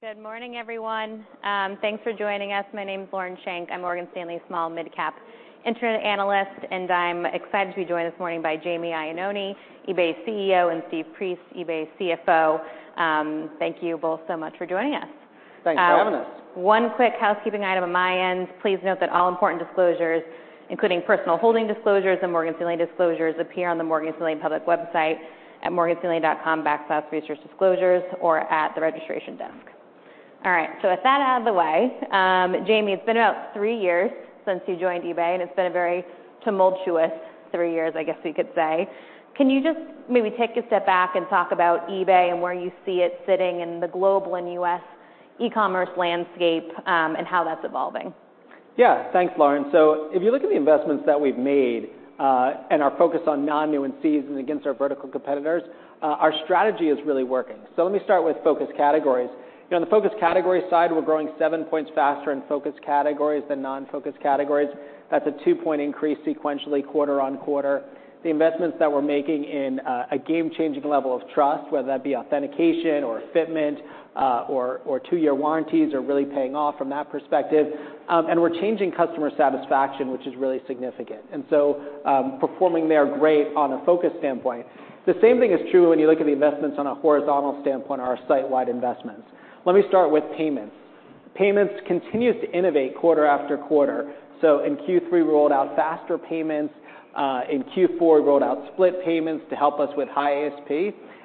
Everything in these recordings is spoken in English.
Good morning, everyone. Thanks for joining us. My name is Lauren Schenk. I'm Morgan Stanley Small Mid-Cap Internet Analyst, and I'm excited to be joined this morning by Jamie Iannone, eBay CEO, and Steve Priest, eBay CFO. Thank you both so much for joining us. Thanks for having us. One quick housekeeping item on my end. Please note that all important disclosures, including personal holding disclosures and Morgan Stanley disclosures, appear on the Morgan Stanley public website at morganstanley.com/researchdisclosures or at the registration desk. With that out of the way, Jamie, it's been about three years since you joined eBay, and it's been a very tumultuous three years, I guess we could say. Can you just maybe take a step back and talk about eBay and where you see it fitting in the global and U.S. e-commerce landscape, and how that's evolving? Thanks, Lauren. If you look at the investments that we've made, and our focus on non-new and seasoned and against our vertical competitors, our strategy is really working. Let me start with focus categories. You know, on the focus category side, we're growing seven points faster in focus categories than non-focus categories. That's a two-point increase sequentially quarter-on-quarter. The investments that we're making in a game-changing level of trust, whether that be authentication or fitment, or two-year warranties are really paying off from that perspective. We're changing customer satisfaction, which is really significant. Performing there great on a focus standpoint. The same thing is true when you look at the investments on a horizontal standpoint or our site-wide investments. Let me start with payments. Payments continues to innovate quarter after quarter. In Q3, we rolled out faster payments. In Q4, we rolled out split payments to help us with high ASP.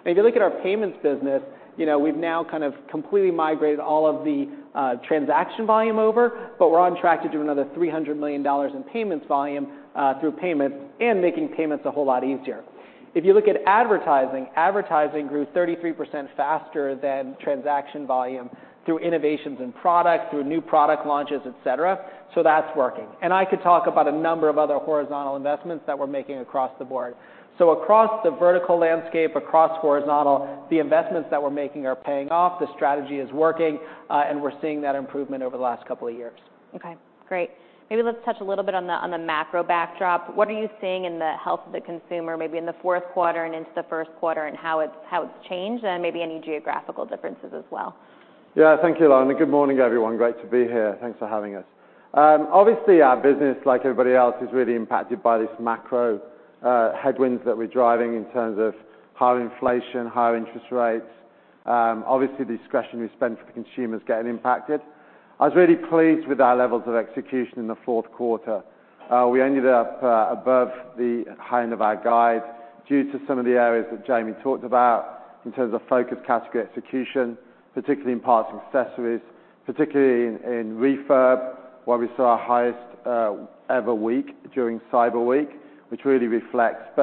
If you look at our payments business, you know, we've now kind of completely migrated all of the transaction volume over, but we're on track to do another $300 million in payments volume through payments and making payments a whole lot easier. If you look at advertising grew 33% faster than transaction volume through innovations in products, through new product launches, et cetera. That's working. I could talk about a number of other horizontal investments that we're making across the board. Across the vertical landscape, across horizontal, the investments that we're making are paying off, the strategy is working, and we're seeing that improvement over the last couple of years. Okay, great. Maybe let's touch a little bit on the, on the macro backdrop. What are you seeing in the health of the consumer, maybe in the fourth quarter and into the first quarter and how it's, how it's changed, and maybe any geographical differences as well? Yeah. Thank you, Lauren, and good morning, everyone. Great to be here. Thanks for having us. Obviously, our business, like everybody else, is really impacted by this macro headwinds that we're driving in terms of high inflation, high interest rates. Obviously the discretionary spend for the consumer is getting impacted. I was really pleased with our levels of execution in the fourth quarter. We ended up above the high end of our guide due to some of the areas that Jamie talked about in terms of focus category execution, particularly in parts and accessories, particularly in refurb, where we saw our highest ever week during Cyber Week, which really reflects.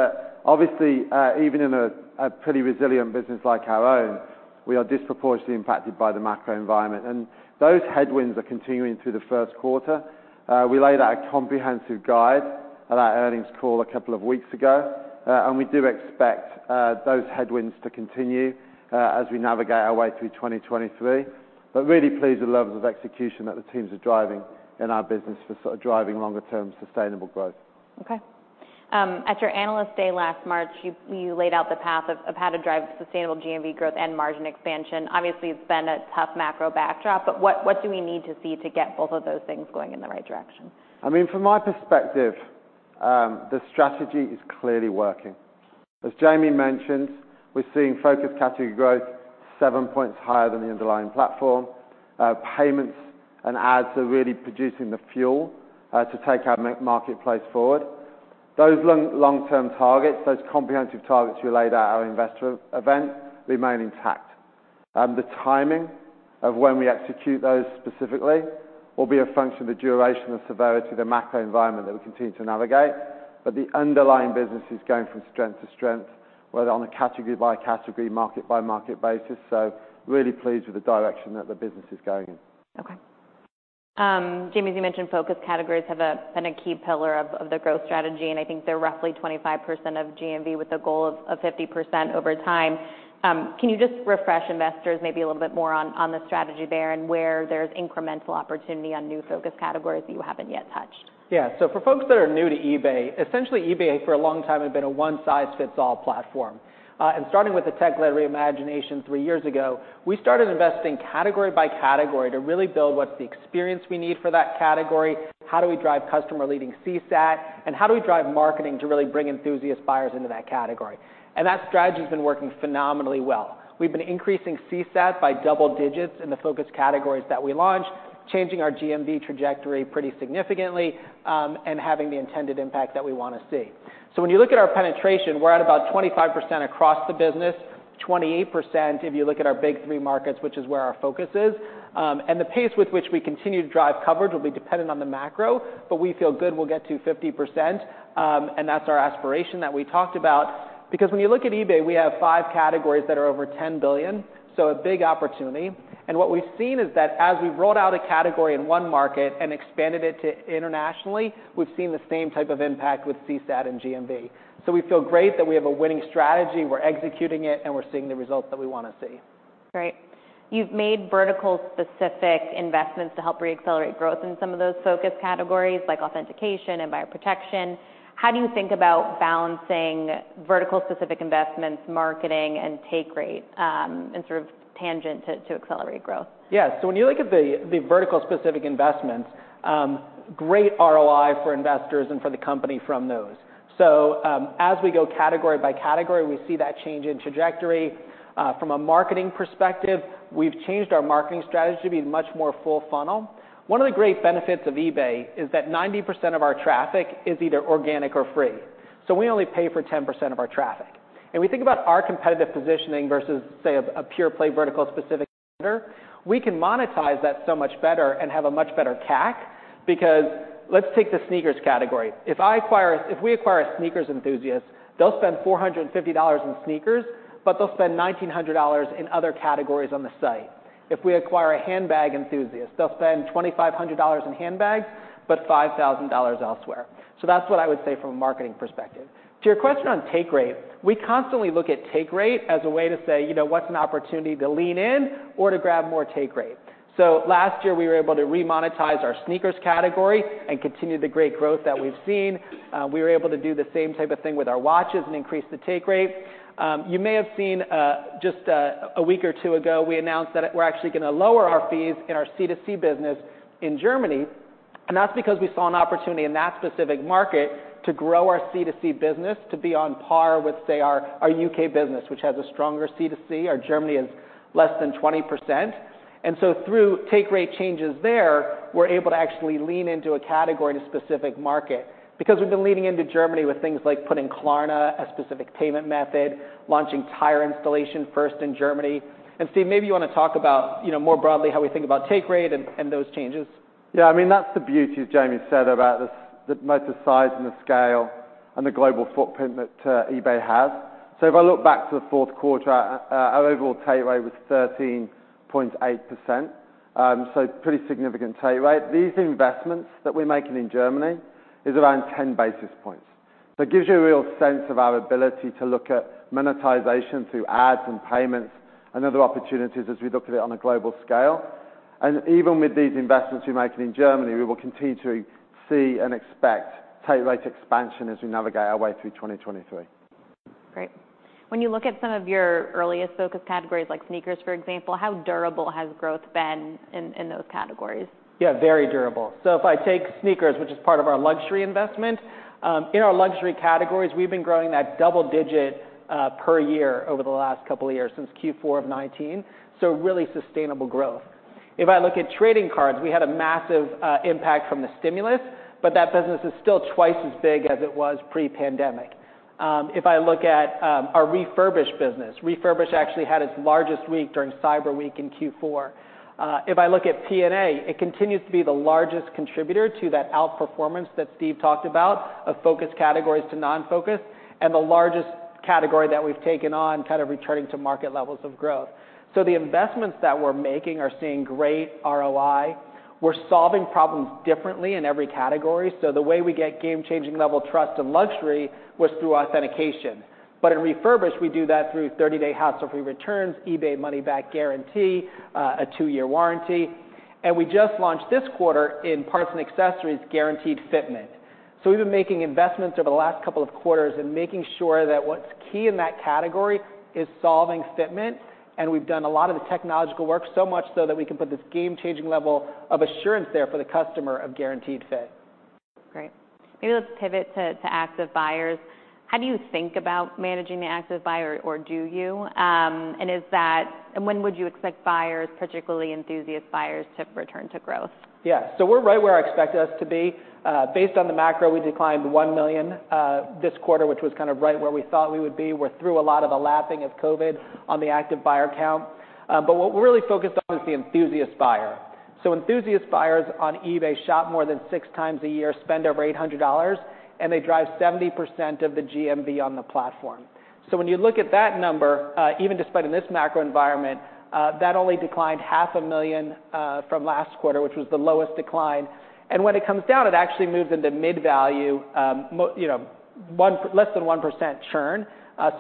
Obviously, even in a pretty resilient business like our own, we are disproportionately impacted by the macro environment, and those headwinds are continuing through the first quarter. We laid out a comprehensive guide at our earnings call a couple of weeks ago, and we do expect those headwinds to continue as we navigate our way through 2023. Really pleased with levels of execution that the teams are driving in our business for sort of driving longer term sustainable growth. Okay. At your Analyst Day last March, you laid out the path of how to drive sustainable GMV growth and margin expansion. Obviously, it's been a tough macro backdrop, what do we need to see to get both of those things going in the right direction? I mean, from my perspective, the strategy is clearly working. As Jamie mentioned, we're seeing focus category growth seven points higher than the underlying platform. Payments and ads are really producing the fuel to take our marketplace forward. Those long-term targets, those comprehensive targets we laid out at our investor event remain intact. The timing of when we execute those specifically will be a function of the duration and severity of the macro environment that we continue to navigate. The underlying business is going from strength to strength, whether on a category by category, market by market basis. Really pleased with the direction that the business is going in. Okay. Jamie, as you mentioned, focus categories have been a key pillar of the growth strategy, and I think they're roughly 25% of GMV, with the goal of 50% over time. Can you just refresh investors maybe a little bit more on the strategy there and where there's incremental opportunity on new focus categories that you haven't yet touched? For folks that are new to eBay, essentially eBay for a long time had been a one size fits all platform. Starting with the tech-led reimagination three years ago, we started investing category by category to really build what's the experience we need for that category, how do we drive customer-leading CSAT, and how do we drive marketing to really bring enthusiast buyers into that category? That strategy has been working phenomenally well. We've been increasing CSAT by double digits in the focus categories that we launched, changing our GMV trajectory pretty significantly, and having the intended impact that we wanna see. When you look at our penetration, we're at about 25% across the business, 28% if you look at our big three markets, which is where our focus is. The pace with which we continue to drive coverage will be dependent on the macro, but we feel good we'll get to 50%, and that's our aspiration that we talked about. When you look at eBay, we have five categories that are over $10 billion, a big opportunity. What we've seen is that as we've rolled out a category in one market and expanded it to internationally, we've seen the same type of impact with CSAT and GMV. We feel great that we have a winning strategy, we're executing it, and we're seeing the results that we wanna see. Great. You've made vertical-specific investments to help re-accelerate growth in some of those focus categories like authentication and buyer protection. How do you think about balancing vertical-specific investments, marketing, and take rate, and sort of tangent to accelerate growth? Yeah. When you look at the vertical-specific investments, great ROI for investors and for the company from those. As we go category by category, we see that change in trajectory. From a marketing perspective, we've changed our marketing strategy to be much more full funnel. One of the great benefits of eBay is that 90% of our traffic is either organic or free, so we only pay for 10% of our traffic. If we think about our competitive positioning versus, say, a pure play vertical specific vendor, we can monetize that so much better and have a much better CAC because let's take the sneakers category. If we acquire a sneakers enthusiast, they'll spend $450 in sneakers, but they'll spend $1,900 in other categories on the site. If we acquire a handbag enthusiast, they'll spend $2,500 in handbags, but $5,000 elsewhere. That's what I would say from a marketing perspective. To your question on take rate, we constantly look at take rate as a way to say, you know, what's an opportunity to lean in or to grab more take rate. Last year, we were able to remonetize our sneakers category and continue the great growth that we've seen. We were able to do the same type of thing with our watches and increase the take rate. You may have seen, just a week or two ago, we announced that we're actually gonna lower our fees in our C2C business in Germany. That's because we saw an opportunity in that specific market to grow our C2C business to be on par with, say, our U.K. Business, which has a stronger C2C. Our Germany is less than 20%. Through take rate changes there, we're able to actually lean into a category in a specific market because we've been leaning into Germany with things like putting Klarna, a specific payment method, launching tire installation first in Germany. Steve, maybe you wanna talk about, you know, more broadly how we think about take rate and those changes. Yeah, I mean, that's the beauty, as Jamie said, about the size and the scale and the global footprint that eBay has. If I look back to the fourth quarter, our overall take rate was 13.8%, pretty significant take rate. These investments that we're making in Germany is around 10 basis points. It gives you a real sense of our ability to look at monetization through ads and payments and other opportunities as we look at it on a global scale. Even with these investments we're making in Germany, we will continue to see and expect take rate expansion as we navigate our way through 2023. Great. When you look at some of your earliest focus categories, like sneakers, for example, how durable has growth been in those categories? Yeah, very durable. If I take sneakers, which is part of our luxury investment, in our luxury categories, we've been growing at double-digit per year over the last couple of years since Q4 of 2019. Really sustainable growth. If I look at trading cards, we had a massive impact from the stimulus, but that business is still twice as big as it was pre-pandemic. If I look at our refurbished business, refurbished actually had its largest week during Cyber Week in Q4. If I look at P&A, it continues to be the largest contributor to that outperformance that Steve talked about of focus categories to non-focus and the largest category that we've taken on kind of returning to market levels of growth. The investments that we're making are seeing great ROI. We're solving problems differently in every category. The way we get game-changing level trust and luxury was through authentication. In refurbished, we do that through 30-day hassle-free returns, eBay Money Back Guarantee, a two-year warranty. We just launched this quarter in parts and accessories guaranteed fitment. We've been making investments over the last couple of quarters and making sure that what's key in that category is solving fitment, and we've done a lot of the technological work so much so that we can put this game-changing level of assurance there for the customer of guaranteed fit. Great. Maybe let's pivot to active buyers. How do you think about managing the active buyer, or do you? When would you expect buyers, particularly enthusiast buyers, to return to growth? We're right where I expect us to be. Based on the macro, we declined $1 million this quarter, which was kind of right where we thought we would be. We're through a lot of the lapping of COVID on the active buyer count. What we're really focused on is the enthusiast buyer. Enthusiast buyers on eBay shop more than six times a year, spend over $800, and they drive 70% of the GMV on the platform. When you look at that number, even despite in this macro environment, that only declined 500,000 from last quarter, which was the lowest decline. When it comes down, it actually moves into mid value, you know, less than 1% churn.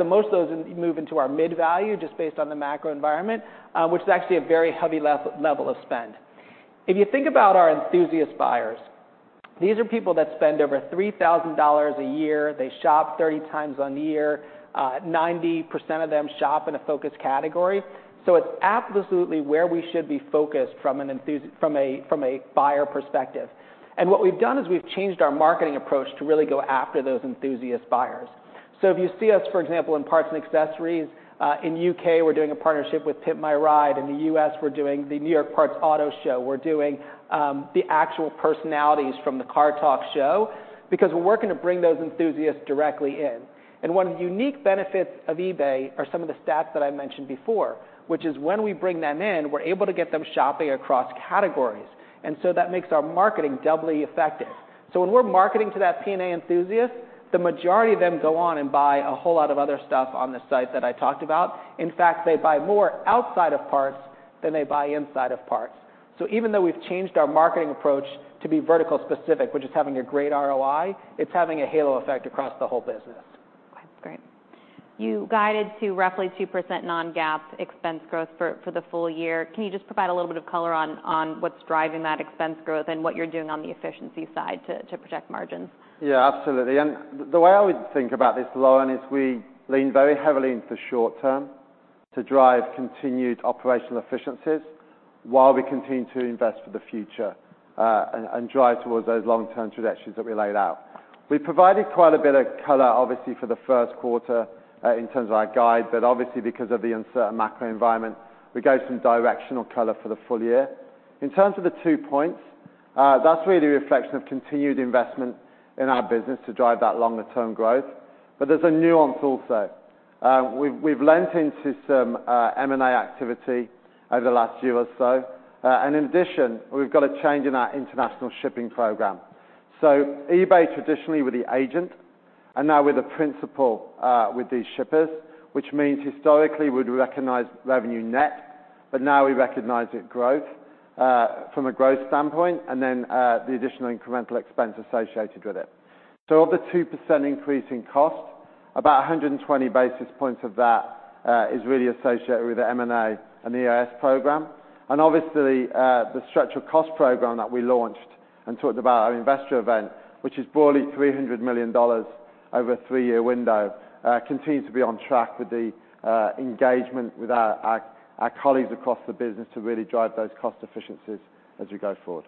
Most of those move into our mid value just based on the macro environment, which is actually a very heavy level of spend. If you think about our enthusiast buyers, these are people that spend over $3,000 a year. They shop 30 times on the year. 90% of them shop in a focus category. It's absolutely where we should be focused from a buyer perspective. What we've done is we've changed our marketing approach to really go after those enthusiast buyers. If you see us, for example, in parts and accessories, in U.K., we're doing a partnership with Pimp My Ride. In the U.S., we're doing the New York Auto Parts Show. We're doing the actual personalities from the Car Talk show because we're working to bring those enthusiasts directly in. One of the unique benefits of eBay are some of the stats that I mentioned before, which is when we bring them in, we're able to get them shopping across categories. That makes our marketing doubly effective. When we're marketing to that P&A enthusiast, the majority of them go on and buy a whole lot of other stuff on the site that I talked about. In fact, they buy more outside of parts than they buy inside of parts. Even though we've changed our marketing approach to be vertical specific, which is having a great ROI, it's having a halo effect across the whole business. Okay, great. You guided to roughly 2% non-GAAP expense growth for the full year. Can you just provide a little bit of color on what's driving that expense growth and what you're doing on the efficiency side to protect margins? Yeah, absolutely. The way I would think about this, Lauren, is we lean very heavily into short term to drive continued operational efficiencies while we continue to invest for the future and drive towards those long-term trajectories that we laid out. We provided quite a bit of color, obviously, for the first quarter in terms of our guide, but obviously because of the uncertain macro environment, we gave some directional color for the full year. In terms of the two points, that's really a reflection of continued investment in our business to drive that longer term growth. There's a nuance also. We've lent into some M&A activity over the last year or so. In addition, we've got a change in our international shipping program. eBay traditionally were the agent, and now we're the principal with these shippers, which means historically we'd recognize revenue net, but now we recognize it growth from a growth standpoint, and then the additional incremental expense associated with it. Of the 2% increase in cost, about 120 basis points of that is really associated with the M&A and EIS program. Obviously, the structural cost program that we launched and talked about at our investor event, which is broadly $300 million over a three-year window, continues to be on track with the engagement with our colleagues across the business to really drive those cost efficiencies as we go forward.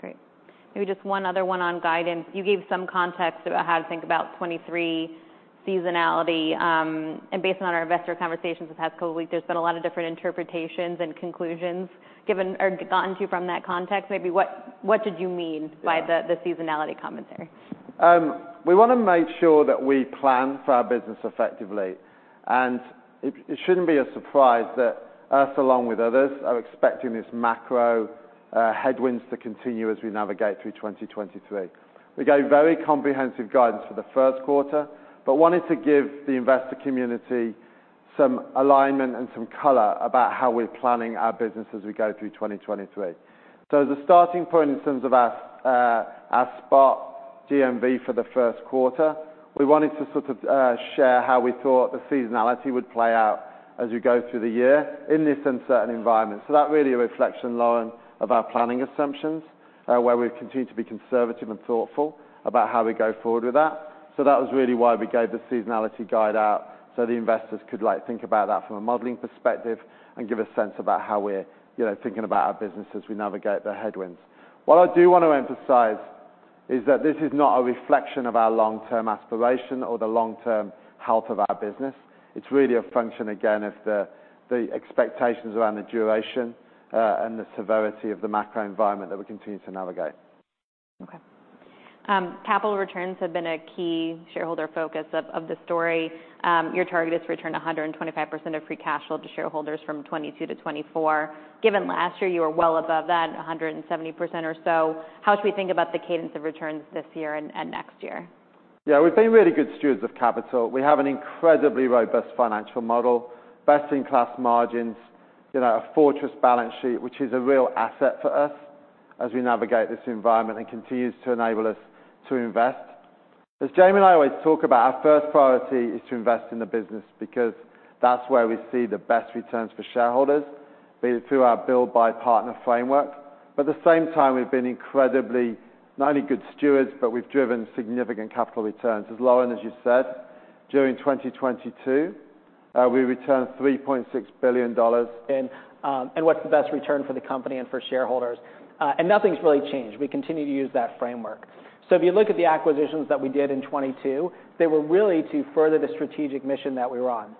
Great. Maybe just one other one on guidance. You gave some context about how to think about 23 seasonality, Based on our investor conversations this past couple of weeks, there's been a lot of different interpretations and conclusions given or gotten to from that context. Maybe what did you mean by the seasonality commentary? We wanna make sure that we plan for our business effectively. It shouldn't be a surprise that us, along with others, are expecting these macro headwinds to continue as we navigate through 2023. We gave very comprehensive guidance for the first quarter, wanted to give the investor community some alignment and some color about how we're planning our business as we go through 2023. As a starting point in terms of our spot GMV for the first quarter, we wanted to sort of share how we thought the seasonality would play out as we go through the year in this uncertain environment. That's really a reflection, Lauren, of our planning assumptions, where we've continued to be conservative and thoughtful about how we go forward with that. That was really why we gave the seasonality guide out, so the investors could, like, think about that from a modeling perspective and give a sense about how we're, you know, thinking about our business as we navigate the headwinds. What I do wanna emphasize is that this is not a reflection of our long-term aspiration or the long-term health of our business. It's really a function, again, of the expectations around the duration and the severity of the macro environment that we continue to navigate. Okay. Capital returns have been a key shareholder focus of the story. Your target is to return 125% of free cash flow to shareholders from 2022 to 2024. Given last year, you were well above that, 170% or so. How should we think about the cadence of returns this year and next year? Yeah, we've been really good stewards of capital. We have an incredibly robust financial model, best-in-class margins, you know, a fortress balance sheet, which is a real asset for us as we navigate this environment and continues to enable us to invest. As Jamie and I always talk about, our first priority is to invest in the business because that's where we see the best returns for shareholders, be it through our build-buy partner framework. At the same time, we've been incredibly not only good stewards, but we've driven significant capital returns. As Lauren, as you said, during 2022, we returned $3.6 billion in. What's the best return for the company and for shareholders. Nothing's really changed. We continue to use that framework. If you look at the acquisitions that we did in 2022, they were really to further the strategic mission that we were on.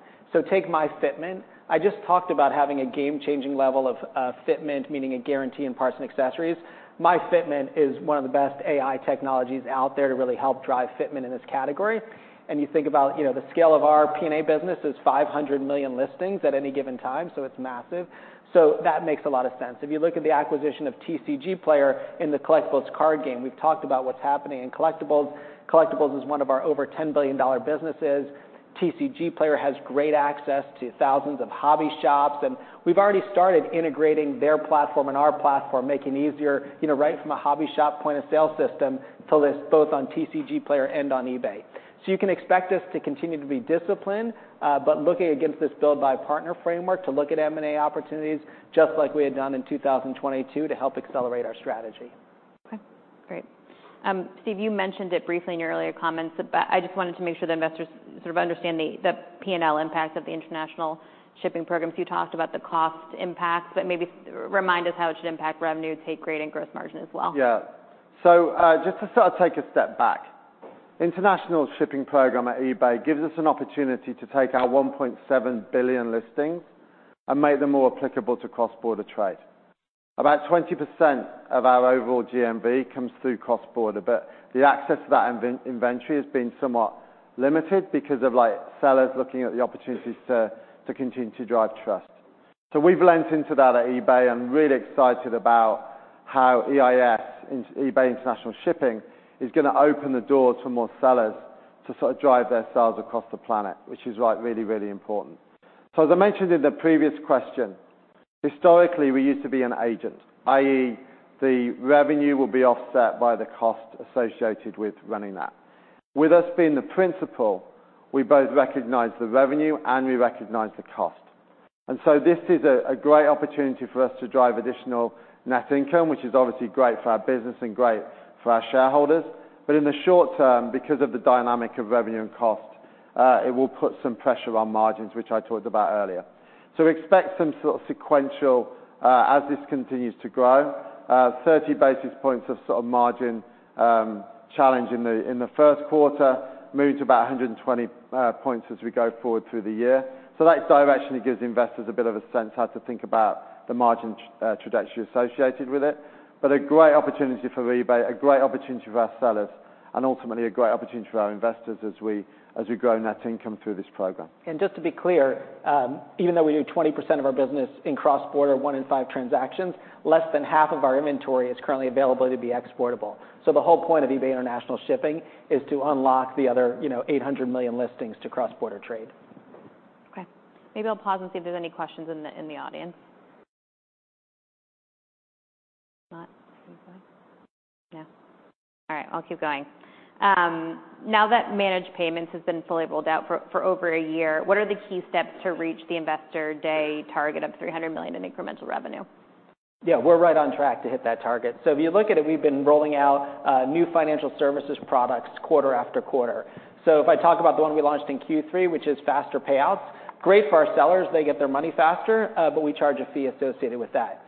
Take MyFitment. I just talked about having a game-changing level of fitment, meaning a guarantee in parts and accessories. MyFitment is one of the best AI technologies out there to really help drive fitment in this category. You think about, you know, the scale of our P&A business is 500 million listings at any given time, so it's massive. That makes a lot of sense. If you look at the acquisition of TCGplayer in the collectibles card game, we've talked about what's happening in collectibles. Collectibles is one of our over $10 billion businesses. TCGplayer has great access to thousands of hobby shops. We've already started integrating their platform and our platform, making it easier, you know, right from a hobby shop point-of-sale system to list both on TCGplayer and on eBay. You can expect us to continue to be disciplined, but looking against this build-buy partner framework to look at M&A opportunities, just like we had done in 2022 to help accelerate our strategy. Okay, great. Steve, you mentioned it briefly in your earlier comments, but I just wanted to make sure the investors sort of understand the P&L impact of the international shipping programs. You talked about the cost impact, but maybe remind us how it should impact revenue, take grade, and gross margin as well. Just to sort of take a step back, international shipping program at eBay gives us an opportunity to take our 1.7 billion listings and make them more applicable to cross-border trade. About 20% of our overall GMV comes through cross-border. The access to that inventory has been somewhat limited because of, like, sellers looking at the opportunities to continue to drive trust. We've lent into that at eBay and really excited about how EIS, eBay International Shipping, is gonna open the door to more sellers to sort of drive their sales across the planet, which is, like, really, really important. As I mentioned in the previous question. Historically, we used to be an agent, i.e., the revenue will be offset by the cost associated with running that. With us being the principal, we both recognize the revenue and we recognize the cost. This is a great opportunity for us to drive additional net income, which is obviously great for our business and great for our shareholders. In the short term, because of the dynamic of revenue and cost, it will put some pressure on margins, which I talked about earlier. Expect some sort of sequential, as this continues to grow, 30 basis points of sort of margin challenge in the first quarter, moving to about 120 points as we go forward through the year. That direction gives investors a bit of a sense how to think about the margin trajectory associated with it. A great opportunity for eBay, a great opportunity for our sellers, and ultimately a great opportunity for our investors as we grow net income through this program. Just to be clear, even though we do 20% of our business in cross-border, one in five transactions, less than half of our inventory is currently available to be exportable. The whole point of eBay International Shipping is to unlock the other, you know, 800 million listings to cross-border trade. Okay. Maybe I'll pause and see if there's any questions in the, in the audience. Not. Yeah. All right, I'll keep going. Now that managed payments has been fully rolled out for over a year, what are the key steps to reach the Investor Day target of $300 million in incremental revenue? Yeah, we're right on track to hit that target. If you look at it, we've been rolling out new financial services products quarter after quarter. If I talk about the one we launched in Q3, which is faster payouts, great for our sellers. They get their money faster, but we charge a fee associated with that.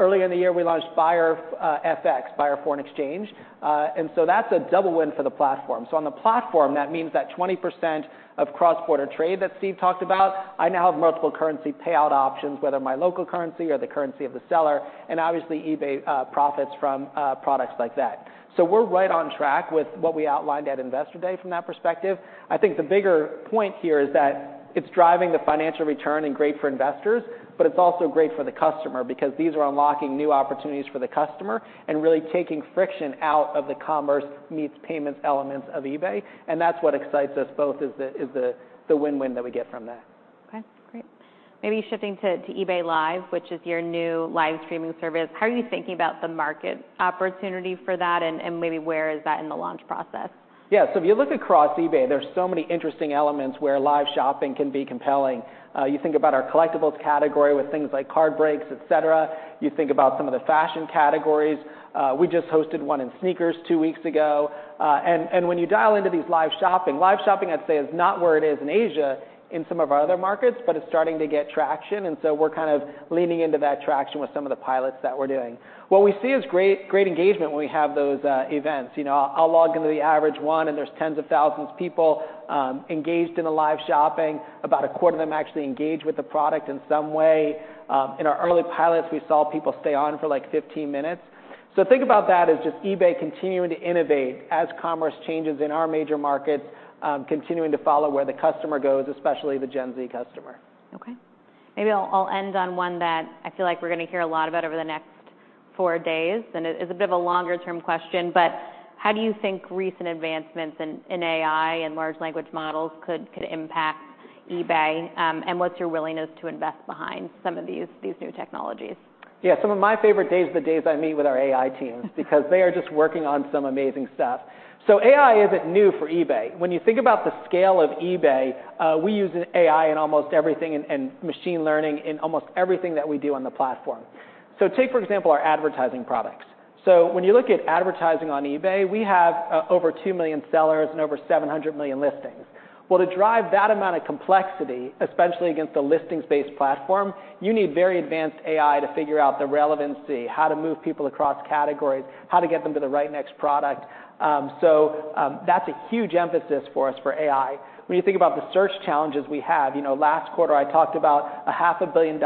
Early in the year, we launched Buyer FX, Buyer Foreign Exchange. That's a double win for the platform. On the platform, that means that 20% of cross-border trade that Steve talked about, I now have multiple currency payout options, whether my local currency or the currency of the seller, and obviously eBay profits from products like that. We're right on track with what we outlined at Investor Day from that perspective. I think the bigger point here is that it's driving the financial return and great for investors, but it's also great for the customer because these are unlocking new opportunities for the customer and really taking friction out of the commerce meets payments elements of eBay, and that's what excites us both, is the win-win that we get from that. Okay, great. Maybe shifting to eBay Live, which is your new live streaming service, how are you thinking about the market opportunity for that and maybe where is that in the launch process? If you look across eBay, there's so many interesting elements where live shopping can be compelling. You think about our collectibles category with things like card breaks, et cetera. You think about some of the fashion categories. We just hosted one in sneakers two weeks ago. When you dial into these live shopping, I'd say is not where it is in Asia, in some of our other markets, but it's starting to get traction, and so we're kind of leaning into that traction with some of the pilots that we're doing. What we see is great engagement when we have those events. You know, I'll log into the average one, and there's tens of thousands of people engaged in a live shopping, about a quarter of them actually engage with the product in some way. In our early pilots, we saw people stay on for like 15 minutes. Think about that as just eBay continuing to innovate as commerce changes in our major markets, continuing to follow where the customer goes, especially the Gen Z customer. Okay. Maybe I'll end on one that I feel like we're gonna hear a lot about over the next four days. It's a bit of a longer-term question. How do you think recent advancements in AI and large language models could impact eBay? What's your willingness to invest behind some of these new technologies? Yeah. Some of my favorite days are the days I meet with our AI teams because they are just working on some amazing stuff. AI isn't new for eBay. When you think about the scale of eBay, we use an AI in almost everything and machine learning in almost everything that we do on the platform. Take, for example, our advertising products. When you look at advertising on eBay, we have over 2 million sellers and over 700 million listings. Well, to drive that amount of complexity, especially against a listings-based platform, you need very advanced AI to figure out the relevancy, how to move people across categories, how to get them to the right next product. That's a huge emphasis for us for AI. When you think about the search challenges we have, you know, last quarter, I talked about a $500 million in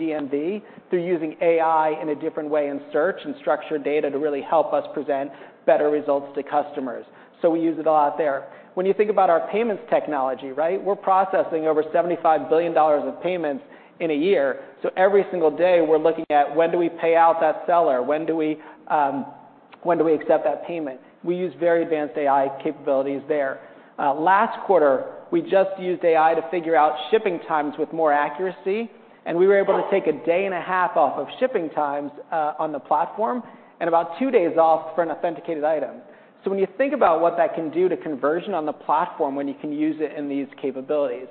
GMV through using AI in a different way in search and structured data to really help us present better results to customers. We use it a lot there. When you think about our payments technology, right, we're processing over $75 billion of payments in a year. Every single day, we're looking at when do we pay out that seller? When do we accept that payment? We use very advanced AI capabilities there. Last quarter, we just used AI to figure out shipping times with more accuracy, and we were able to take a day and a half off of shipping times on the platform and about two days off for an authenticated item. When you think about what that can do to conversion on the platform when you can use it in these capabilities.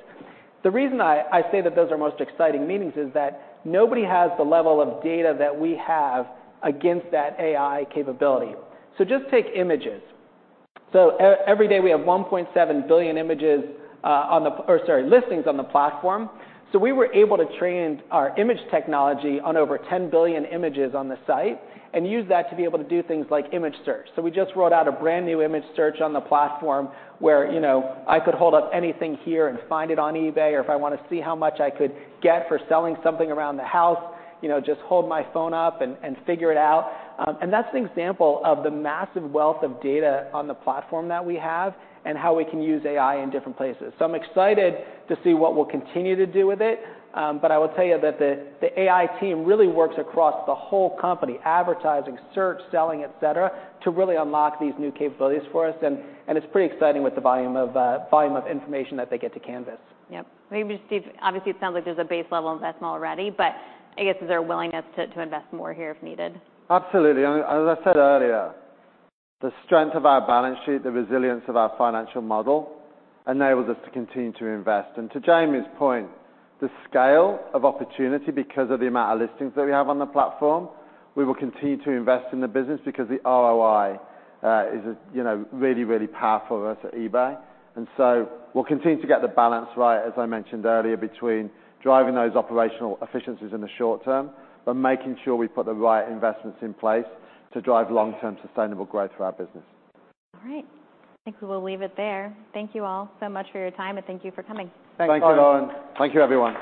The reason I say that those are most exciting meetings is that nobody has the level of data that we have against that AI capability. Just take images. Every day, we have 1.7 billion images, or sorry, listings on the platform. We were able to train our image technology on over 10 billion images on the site and use that to be able to do things like image search. We just rolled out a brand new image search on the platform where I could hold up anything here and find it on eBay, or if I wanna see how much I could get for selling something around the house, just hold my phone up and figure it out. That's an example of the massive wealth of data on the platform that we have and how we can use AI in different places. I'm excited to see what we'll continue to do with it. I will tell you that the AI team really works across the whole company, advertising, search, selling, et cetera, to really unlock these new capabilities for us. It's pretty exciting with the volume of information that they get to canvas. Yep. Maybe Steve, obviously, it sounds like there's a base-level investment already, but I guess, is there a willingness to invest more here if needed? Absolutely. As I said earlier, the strength of our balance sheet, the resilience of our financial model enables us to continue to invest. To Jamie's point, the scale of opportunity because of the amount of listings that we have on the platform, we will continue to invest in the business because the ROI, you know, really, really powerful for us at eBay. So we'll continue to get the balance right, as I mentioned earlier, between driving those operational efficiencies in the short term, but making sure we put the right investments in place to drive long-term sustainable growth for our business. All right. I think we will leave it there. Thank you all so much for your time, and thank you for coming. Thanks Lauren. Thank you, everyone.